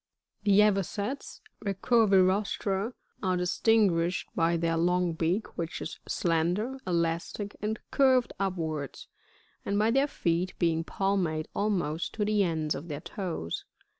55. The AvosETs, — Recurvirostra, — are distinguished by their long beak which is slender, elastic, and curved upwards, and by their feet being palmate almost to the ends of their toes.